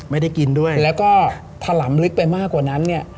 ไม่ได้กินด้วยแล้วก็ถลำลึกไปมากกว่านั้นเนี่ย